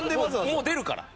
もう出るから。